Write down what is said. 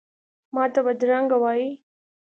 ماته بدرنګه وایې،